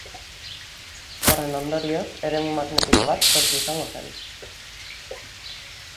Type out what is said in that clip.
Horren ondorioz eremu magnetiko bat sortu izango zen.